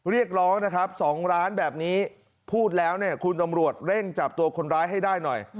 เรียกร้องนะครับ๒ร้านแบบนี้พูดแล้วเนี่ยคุณตำรวจเร่งจับตัวคนร้ายให้ได้หน่อย